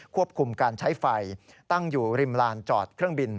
ควบคุมการใช้ไฟตั้งอยู่ริมลานจอดเครื่องบิน